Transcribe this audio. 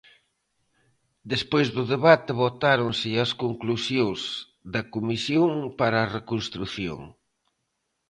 Despois do debate, votáronse as conclusións da comisión para a reconstrución.